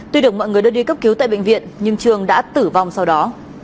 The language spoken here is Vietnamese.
tuy được mọi người đưa đi cấp cứu tại bệnh viện nhưng trường đã tử vong sau đó